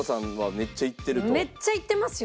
めっちゃ行ってますよ。